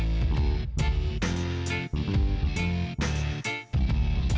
lepas dulu deh